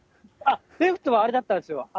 レフトはあれだったんですよ。